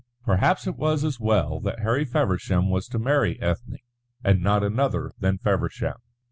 Perhaps it was as well that Harry Feversham was to marry Ethne and not another than Feversham.